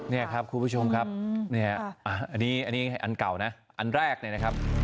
เนี่ยครับคุณผู้ชมครับอันนี้อันเก่านะอันแรกนะครับ